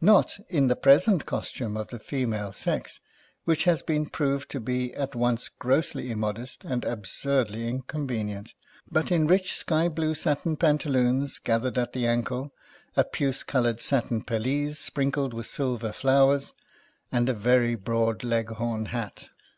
Not in the present cos tume of the female sex, which has been proved to be at once grossly immodest and absurdly inconvenient, but in rich sky blue satin pan taloons gathered at the ankle, a puce coloured satin pelisse sprinkled with silver flowers, and a very broad Leghorn hat.